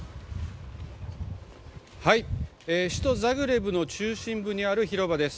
首都ザグレブの中心部にある広場です。